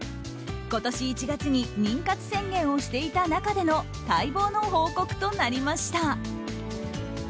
今年１月に妊活宣言をしていた中での待望の報告となりました。